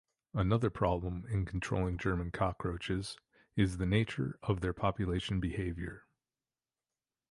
Another problem in controlling German cockroaches is the nature of their population behaviour.